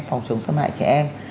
phòng chống xâm hại trẻ em